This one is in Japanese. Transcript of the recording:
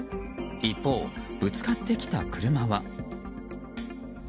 一方、ぶつかってきた車は。